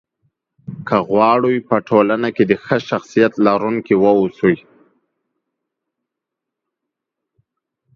که غواړئ! په ټولنه کې د ښه شخصيت لرونکي واوسی